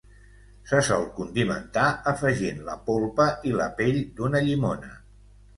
Se sol condimentar afegint la polpa i la pell d'una llimona.